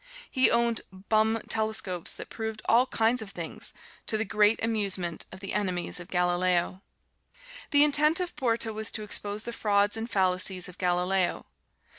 He owned "bum" telescopes that proved all kinds of things, to the great amusement of the enemies of Galileo. The intent of Porta was to expose the frauds and fallacies of Galileo.